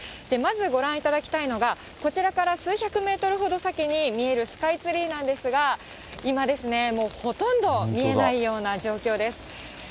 まずご覧いただきたいのが、こちら数百メートル先に見えるスカイツリーなんですが、今ですね、もうほとんど見えないような状況です。